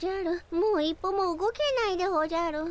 もう一歩も動けないでおじゃる。